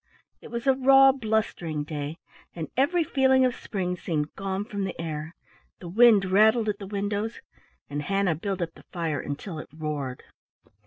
It was a raw, blustering day, and every feeling of spring seemed gone from the air; the wind rattled at the windows, and Hannah built up the fire until it roared.